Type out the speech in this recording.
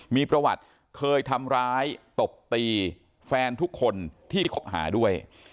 มีประวัติเคยทำร้ายตบตีแฟนทุกคนที่คบหาด้วย